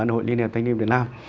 hội liên hệ thanh niên việt nam